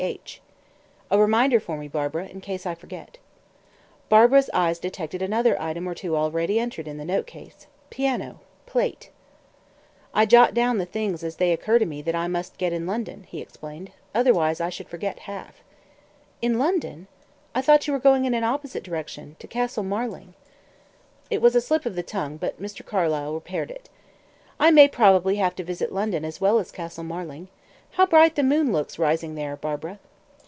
H." "A reminder for me, Barbara, in case I forget." Barbara's eyes detected another item or two already entered in the note case: "piano," "plate." "I jot down the things as they occur to me, that I must get in London," he explained. "Otherwise I should forget half." "In London? I thought you were going in an opposite direction to Castle Marling?" It was a slip of the tongue, but Mr. Carlyle repaired it. "I may probably have to visit London as well as Castle Marling. How bright the moon looks rising there, Barbara!"